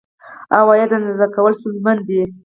عوایدو اندازه کول ستونزمن دي.